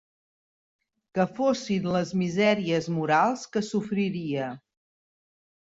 Que fossin les misèries morals que sofriria